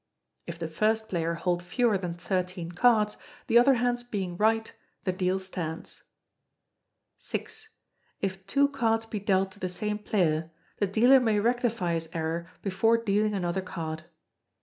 [If the first player hold fewer than thirteen cards, the other hands being right, the deal stands.] vi. If two cards be dealt to the same player, the dealer may rectify his error before dealing another card.